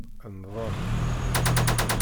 Ndel.